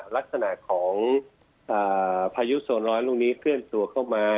รักษณะของพยุดโซนร้อนขึ้นตัวเข้ามา